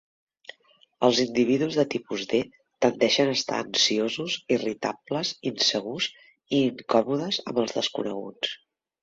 Els individus de tipus D tendeixen a estar ansiosos, irritables, insegurs i incòmodes amb els desconeguts.